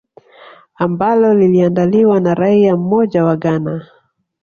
ambalo liliandaliwa na raia mmoja wa ghana